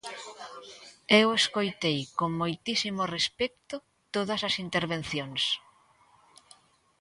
Eu escoitei con moitísimo respecto todas as intervencións.